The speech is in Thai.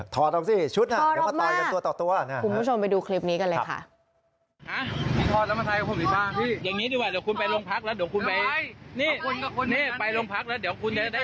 ถอดออกสิชุดน่ะเดี๋ยวมาต่อยกันตัวต่อตัว